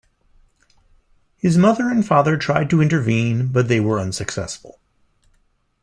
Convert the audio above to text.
His mother and father tried to intervene, but they were unsuccessful.